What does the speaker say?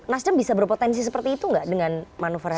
nasdem bisa berpotensi seperti itu nggak dengan manuver hari ini